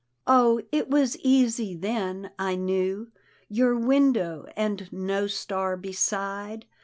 " O, it was easy then 1 I knew Your window, and no star beside.